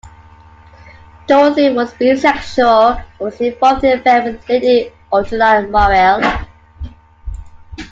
Dorothy was bisexual and was involved in an affair with Lady Ottoline Morrell.